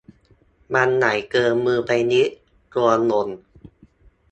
มันใหญ่เกินมือไปนิด กลัวหล่น